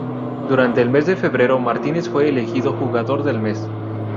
Durante el mes de febrero, Martínez fue elegido "Jugador del mes".